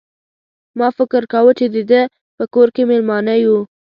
ما فکر کاوه چې د ده په کور کې مېلمانه یو.